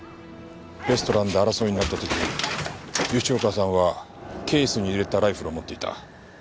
レストランで争いになった時吉岡さんはケースに入れたライフルを持っていた。